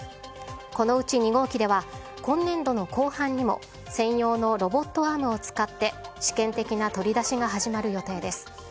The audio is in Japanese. このうち２号機では今年度の後半にも専用のロボットアームを使って試験的な取り出しが始まる予定です。